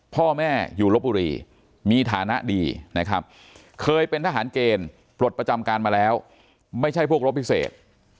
พ่อแม่อยู่ลบบุรีมีฐานะดีนะครับเคยเป็นทหารเกณฑ์ปลดประจำการมาแล้วไม่ใช่พวกรบพิเศษ